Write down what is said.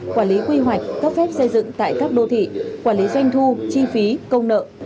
quản lý quy hoạch cấp phép xây dựng tại các đô thị quản lý doanh thu chi phí công nợ